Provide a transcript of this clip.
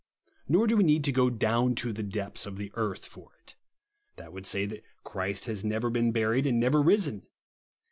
Nor do we need to go down to the depths of the earth for it ; that would say that Christ had never been buried and never risen.